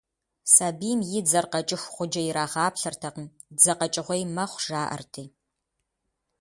Сабийм и дзэр къэкӏыху гъуджэ ирагъаплъэртэкъым, дзэ къэкӏыгъуей мэхъу, жаӏэрти.